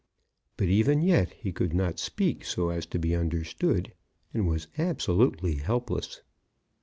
But even yet he could not speak so as to be understood, and was absolutely helpless.